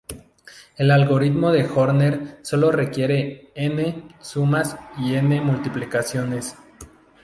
El algoritmo de Horner sólo requiere "n" sumas y "n" multiplicaciones.